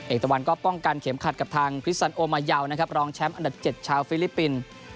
ตะวันก็ป้องกันเข็มขัดกับทางคริสสันโอมายาวนะครับรองแชมป์อันดับ๗ชาวฟิลิปปินส์